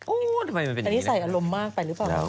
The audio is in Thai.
อู้วทำไมมันเป็นอย่างนี้อันนี้ใส่อารมณ์มากไปหรือเปล่า